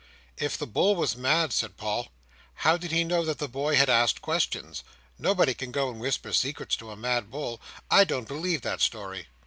"If the bull was mad," said Paul, "how did he know that the boy had asked questions? Nobody can go and whisper secrets to a mad bull. I don't believe that story."